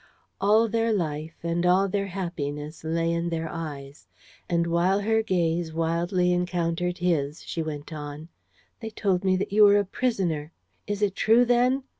All their life and all their happiness lay in their eyes; and, while her gaze wildly encountered his, she went on: "They told me that you were a prisoner. Is it true, then?